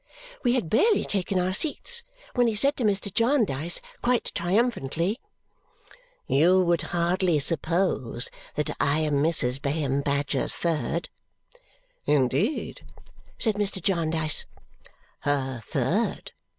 We had barely taken our seats when he said to Mr. Jarndyce quite triumphantly, "You would hardly suppose that I am Mrs. Bayham Badger's third!" "Indeed?" said Mr. Jarndyce. "Her third!"